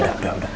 udah udah udah